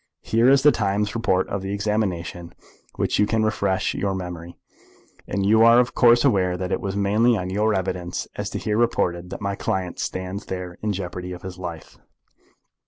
Here is the Times report of the examination, with which you can refresh your memory, and you are of course aware that it was mainly on your evidence as here reported that my client stands there in jeopardy of his life."